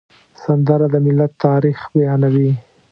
سندره د ملت تاریخ بیانوي